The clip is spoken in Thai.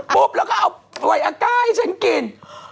ปุ๊บแล้วก็เอาใส่อากาศให้ฉันกิน